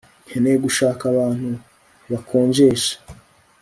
nkeneye gushaka abantu bakonjesha